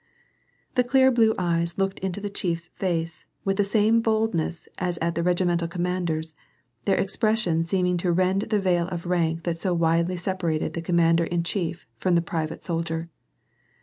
The clear blue eyes looked into the chief's face with the same boldness as at the regimental commander's, their expres sion seeming to rend the veil of rank that so widely separated the commander in chief from the private soldier.